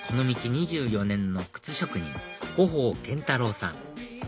２４年の靴職人五宝賢太郎さん